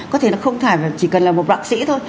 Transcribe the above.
có thể là không phải chỉ cần là một bác sĩ thôi